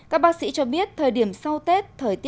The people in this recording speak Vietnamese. các bác sĩ cho biết thời điểm sau tết